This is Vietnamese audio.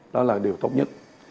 đó là điều tốt nhất